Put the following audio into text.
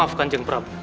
maafkan jeng prabu